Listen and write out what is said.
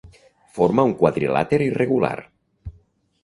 Forma un quadrilàter irregular.